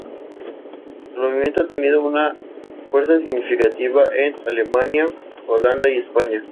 El movimiento ha tenido una fuerza significativa en Alemania, Holanda y España.